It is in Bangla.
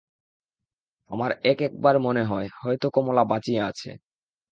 আমার এক-একবার মনে হয়, হয়তো কমলা বাঁচিয়া আছে।